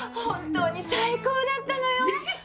本当に最高だったのよ！